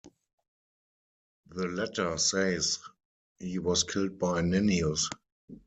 The latter says he was killed by Nennius.